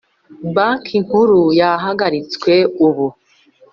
Banki Nkuru yahagaritswe ubu